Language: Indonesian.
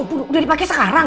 udah dipake sekarang